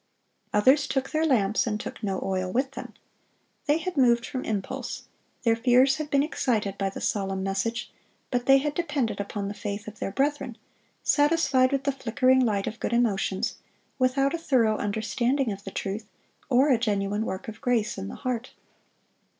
Others "took their lamps, and took no oil with them." They had moved from impulse. Their fears had been excited by the solemn message, but they had depended upon the faith of their brethren, satisfied with the flickering light of good emotions, without a thorough understanding of the truth, or a genuine work of grace in the heart.